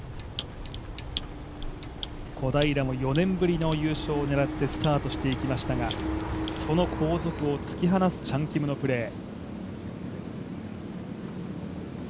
小平も４年ぶりの優勝を狙ってスタートしていきましたがその後続を突き放すチャン・キムのプレー。